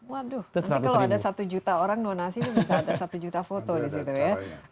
waduh nanti kalau ada satu juta orang donasi ini bisa ada satu juta foto di situ ya